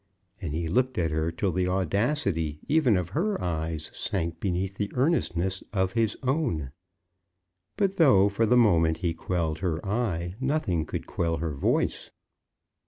And he looked at her till the audacity even of her eyes sank beneath the earnestness of his own. But though for the moment he quelled her eye, nothing could quell her voice.